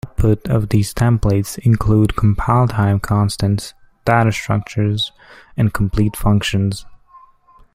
The output of these templates include compile-time constants, data structures, and complete functions.